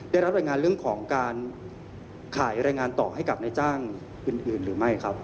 ได้รับรายงานเรื่องของการขายรายงานต่อให้กับนายจ้างอื่นหรือไม่ครับ